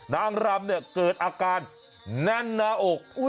นางรามเนี่ยเกิดอาการแน่นหน้าอกต้องยกออก